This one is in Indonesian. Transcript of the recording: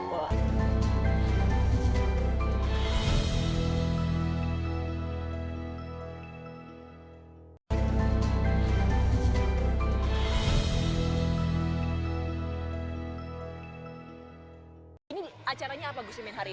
ini acaranya apa gus imin hari ini